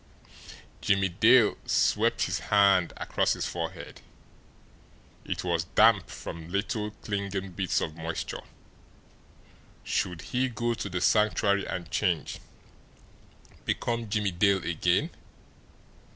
Jimmie Dale swept his hand across his forehead. It was damp from little clinging beads of moisture. Should he go to the Sanctuary and change become Jimmie Dale again?